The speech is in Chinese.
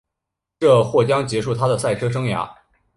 这或将结束她的赛车生涯。